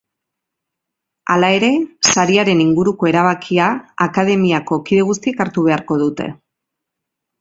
Hala ere, sariaren inguruko erabakia akademiako kide guztiek hartu beharko dute.